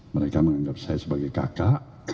mereka menganggap saya sebagai kakak